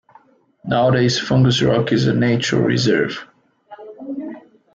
Nowadays, Fungus Rock is a nature reserve.